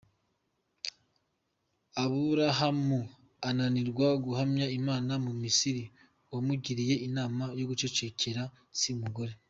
Aburahamu ananirwa guhamya Imana mu Misiri, uwamugiriye inama yo kwicecekera si umugore?